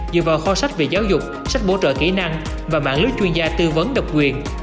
dựa vào kho sách về giáo dục sách bổ trợ kỹ năng và mạng lưới chuyên gia tư vấn độc quyền